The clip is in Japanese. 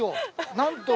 なんと。